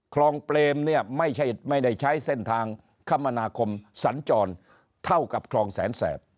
คลองเปรมเนี่ยไม่ได้ใช้เส้นทางคมนาคมสัญจรเท่ากับคลองแสนแสบ